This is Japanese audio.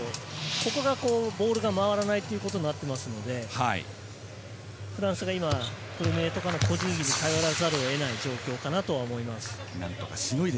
それがボールを回らないということになっていますので、フランスが個人技に変えざるを得ない状況かなと思います。